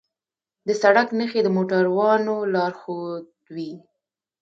د سړک نښې د موټروانو لارښودوي.